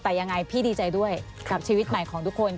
แต่ยังไงพี่ดีใจด้วยกับชีวิตใหม่ของทุกคน